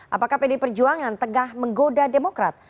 apakah pdi perjuangan tegah menggoda demokrat